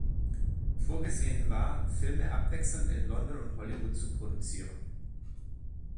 Vorgesehen war, Filme abwechselnd in London und Hollywood zu produzieren.